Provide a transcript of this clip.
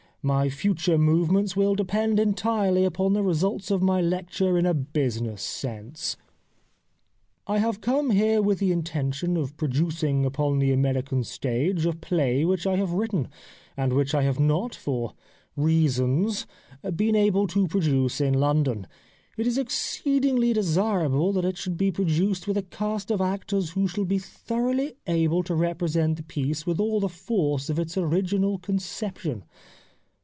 My future movements will depend en tirely upon the results of my lecture in a business N 193 The Life of Oscar Wilde sense. I have come here with the intention of producing upon the American stage a play which I have written, and which I have not, for reasons, been able to produce in London. It is exceedingly desirable that it should be produced with a cast of actors who shall be thoroughly able to represent the piece with all the force of its original conception.'